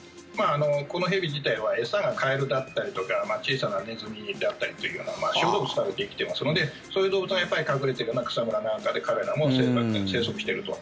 この蛇自体は餌がカエルだったりとか小さなネズミだったりというような小動物からできていますのでそういう動物が隠れている草むらなんかで彼らも生息していると。